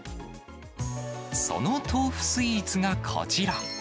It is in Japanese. その豆腐スイーツがこちら。